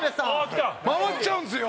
回っちゃうんですよ。